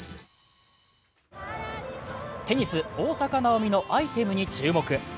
テニス・大坂なおみのアイテムに注目。